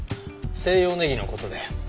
西洋ネギの事だよ。